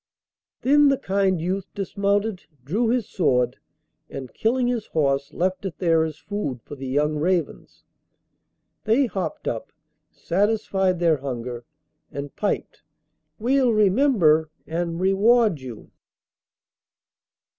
Then the kind youth dismounted, drew his sword, and killing his horse left it there as food for the young ravens. They hopped up, satisfied their hunger, and piped: 'We'll remember, and reward you!